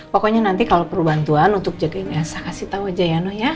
pokoknya nanti kalau perlu bantuan untuk jagain elsa kasih tau aja ya nona ya